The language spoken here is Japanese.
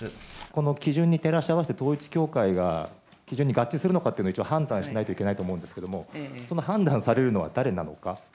この基準に照らし合わせて、統一教会が基準に合致するのかというのを判断しないといけないと思うんですけれども、その判断されるのは誰なのか。